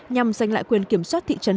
nhằm giành lại quyền kiểm soát thị trấn